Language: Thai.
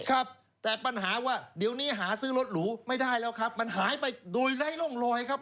ครับแต่ปัญหาว่าเดี๋ยวนี้หาซื้อรถหรูไม่ได้แล้วครับมันหายไปโดยไร้ร่องรอยครับ